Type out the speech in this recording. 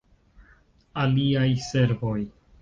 Aliaj servoj.